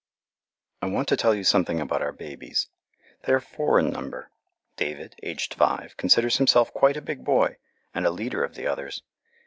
I want to tell you something about our babies. They are four in number. David, aged five, considers himself quite a big boy, and a leader of the others.